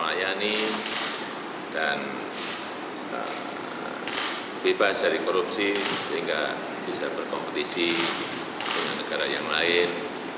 melayani dan bebas dari korupsi sehingga bisa berkompetisi dengan negara yang lain